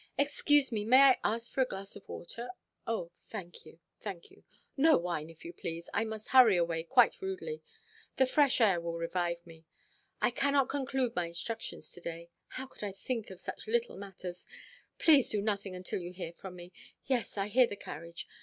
Excuse me, may I ask for a glass of water? Oh, thank you, thank you. No wine, if you please. I must hurry away quite rudely. The fresh air will revive me. I cannot conclude my instructions to–day. How could I think of such little matters? Please to do nothing until you hear from me. Yes, I hear the carriage.